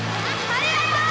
ありがとう！